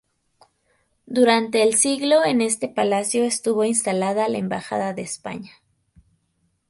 Durante el siglo en este palacio estuvo instalada la embajada de España.